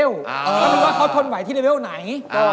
ก็ไม่รู้ว่าเขาทนไหวที่เลเวลไหน